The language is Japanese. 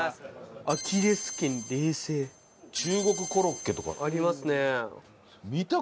「アキレス腱冷製」「中国コロッケ」とか。ありますね。